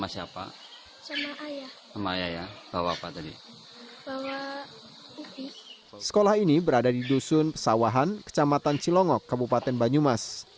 sekolah ini berada di dusun pesawahan kecamatan cilongok kabupaten banyumas